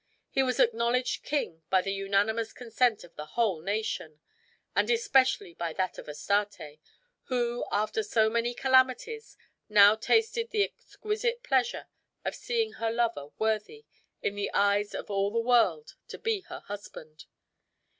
He was acknowledged king by the unanimous consent of the whole nation, and especially by that of Astarte, who, after so many calamities, now tasted the exquisite pleasure of seeing her lover worthy, in the eyes of all the world, to be her husband.